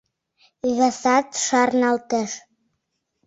Весат шарналтеш.